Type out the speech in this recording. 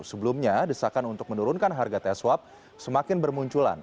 sebelumnya desakan untuk menurunkan harga tes swab semakin bermunculan